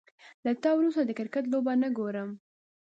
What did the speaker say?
له تا وروسته، د کرکټ لوبه نه ګورم